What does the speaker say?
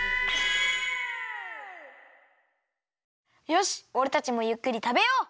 よしおれたちもゆっくりたべよう。